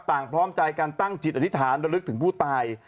พร้อมใจกันตั้งจิตอธิษฐานระลึกถึงผู้ตาย